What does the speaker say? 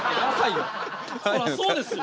そらそうですよ。